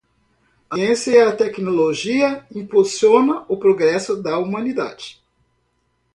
A ciência e a tecnologia impulsionam o progresso da humanidade.